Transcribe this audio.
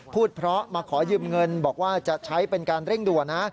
พูดเพราะมาขอยืมเงินบอกว่าจะใช้เป็นการเร่งด่วนนะ